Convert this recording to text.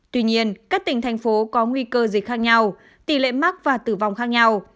tuy nhiên các tỉnh thành phố có nguy cơ dịch khác nhau tỷ lệ mắc và tử vong khác nhau